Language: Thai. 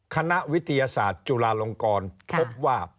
คณะวิทยาศาสตร์จุฬาลงกรพบว่า